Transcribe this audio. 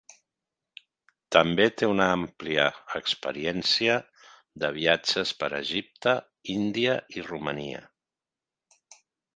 També té una àmplia experiència de viatges per Egipte, Índia i Romania.